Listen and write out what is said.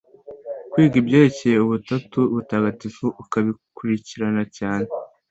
Kwiga Ibyerekeye ubutatu butagatifu ukabikurikirana cyane